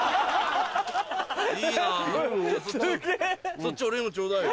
そっち俺にもちょうだいよ。